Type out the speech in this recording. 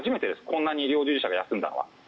こんなに医療従事者が休んだのは。